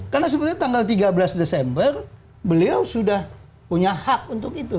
karena sebetulnya tanggal tiga belas desember beliau sudah punya hak untuk itu